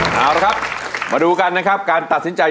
เอาละครับมาดูกันนะครับการตัดสินใจ